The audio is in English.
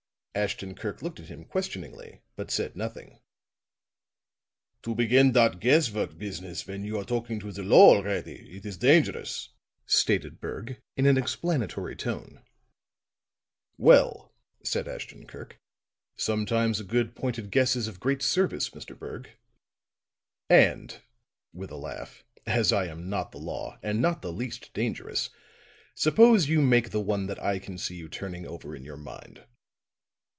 Ashton Kirk looked at him questioningly, but said nothing. "To begin dot guess work business when you are talking to the law already, it is dangerous," stated Berg in an explanatory tone. "Well," said Ashton Kirk, "sometimes a good, pointed guess is of great service, Mr. Berg. And," with a laugh, "as I am not the law and not the least dangerous, suppose you make the one that I can see you turning over in your mind."